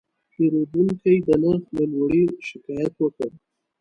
پیرودونکی د نرخ له لوړې شکایت وکړ.